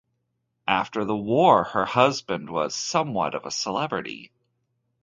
After the war her husband was somewhat of a celebrity.